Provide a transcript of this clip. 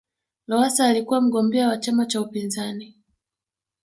lowasa alikuwa mgombea wa chama cha upinzani